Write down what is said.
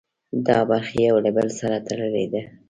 دا برخې یو له بل سره تړلي دي.